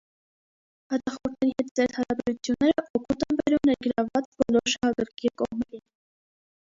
Հաճախորդների հետ սերտ հարաբերությունները օգուտ են բերում ներգրավված բոլոր շահագրգիռ կողմերին։